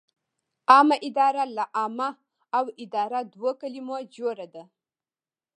عامه اداره له عامه او اداره دوو کلمو جوړه ده.